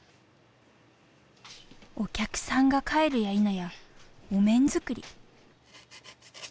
お客さんが帰るやいなやお面作り。